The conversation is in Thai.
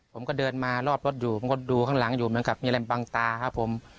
ผมก็เดินมารอดรถอยู่ผมก็ดูข้างหลังอยู่เหมือนกับมีอะไรบังตาครับผม